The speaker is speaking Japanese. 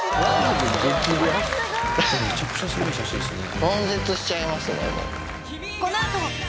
めちゃくちゃすごい写真ですね。